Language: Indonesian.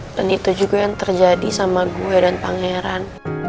dan itu juga yang terjadi sama gue dan pangeran